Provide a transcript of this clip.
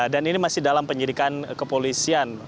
dan ini masih dalam penyirikan kepolisian